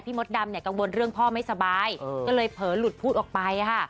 มดดำเนี่ยกังวลเรื่องพ่อไม่สบายก็เลยเผลอหลุดพูดออกไปค่ะ